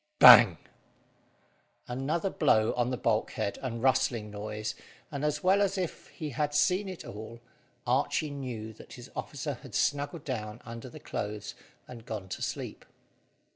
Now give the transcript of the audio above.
Bang! Another blow on the bulkhead, and rustling noise, and, as well as if he had seen it all, Archy knew that his officer had snuggled down under the clothes, and gone to sleep.